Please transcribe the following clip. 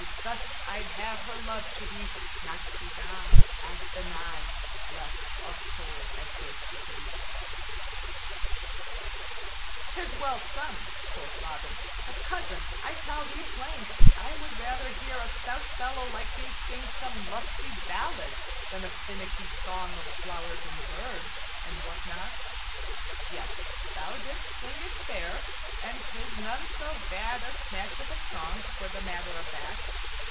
Thus I'd have her love to be: Not to die At the nigh Breath of cold adversity_." "'Tis well sung," quoth Robin, "but, cousin, I tell thee plain, I would rather hear a stout fellow like thee sing some lusty ballad than a finicking song of flowers and birds, and what not. Yet, thou didst sing it fair, and 'tis none so bad a snatch of a song, for the matter of that.